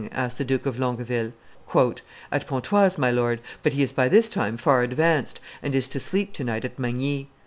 asked the Duke of Longueville. "At Pontoise, my lord; but he is by this time far advanced, and is to sleep to night at Magny."